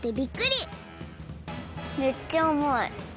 めっちゃあまい。